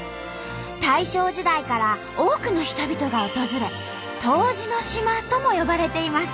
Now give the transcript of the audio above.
大正時代から多くの人々が訪れ「湯治の島」とも呼ばれています。